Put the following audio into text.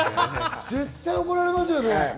絶対、怒られますよね。